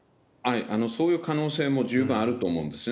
そういう可能性も十分あると思うんですよね。